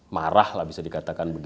marah lah bisa dikatakan